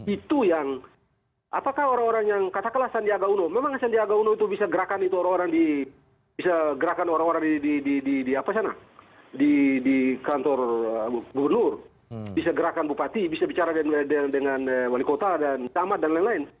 itu yang apakah orang orang yang kata kata sandiaga uno memang sandiaga uno itu bisa gerakan orang orang di kantor gubernur bisa gerakan bupati bisa bicara dengan wali kota dan tamat dan lain lain